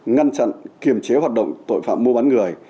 ngăn chặn kiềm chế hoạt động tội phạm mua bán người